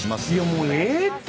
もうええって！